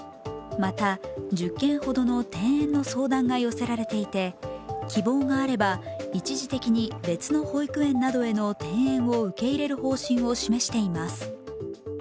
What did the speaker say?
また、１０件ほどの転園の相談が寄せられていて希望があれば一時的に別の保育園などへの転園を受け入れる方針を示しています。